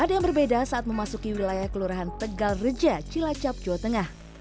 ada yang berbeda saat memasuki wilayah kelurahan tegal reja cilacap jawa tengah